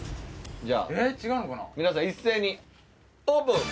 じゃあ皆さん一斉にオープン！